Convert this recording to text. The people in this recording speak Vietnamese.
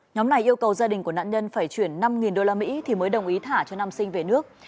nhóm này yêu cầu gia đình của nạn nhân phải chuyển năm usd thì mới đồng ý thả cho nam sinh về nước